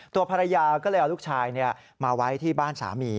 ตัวภรรยาก็เลยเอาลูกชายมาไว้ที่บ้านสามี